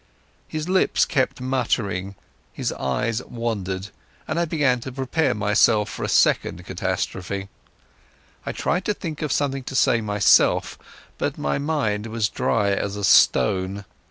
His lips kept muttering, his eye wandered, and I began to prepare myself for a second catastrophe. I tried to think of something to say myself, but my mind was dry as a stone.